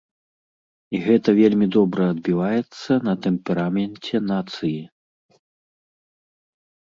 І гэта вельмі добра адбіваецца на тэмпераменце нацыі.